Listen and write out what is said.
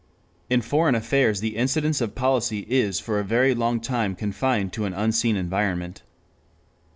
In foreign affairs the incidence of policy is for a very long time confined to an unseen environment.